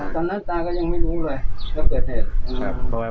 ตอนนั้นตาก็ยังไม่รู้เลยแล้วเกิดเหตุ